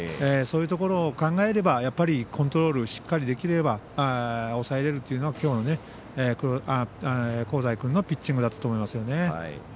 そういうところを考えればコントロールしっかりできれば抑えれるというのがきょうの香西君のピッチングだったと思います。